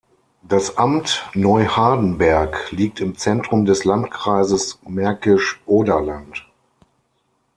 Das Amt Neuhardenberg liegt im Zentrum des Landkreises Märkisch-Oderland.